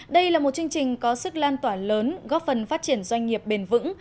đây là một chương trình có sức lan tỏa lớn góp phần phát triển doanh nghiệp bền vững